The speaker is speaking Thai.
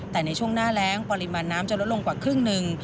แต่ในช่วงหน้าแรงปริมาณน้ำจะลดลงกว่าครึ่งหนึ่ง